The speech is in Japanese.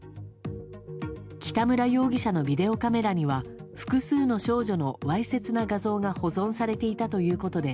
北村容疑者のビデオカメラには、複数の少女のわいせつな画像が保存されていたということで、